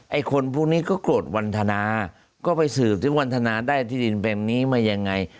ไอ้คนพวกนี้ก็โกรธวันธนาก็ไปสืบถึงวันธนาได้ที่ดินแบบนี้มายังไง